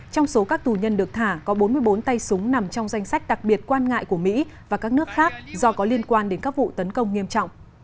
trong số các tù nhân được thả có bốn mươi bốn tay súng nằm trong danh sách đặc biệt quan ngại của mỹ và các nước khác do có liên quan đến các vụ tấn công nghiêm trọng